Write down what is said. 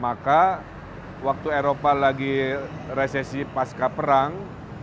maka waktu eropa lagi resesi pasca perang